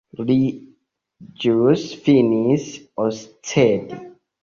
Li ĵus finis oscedi.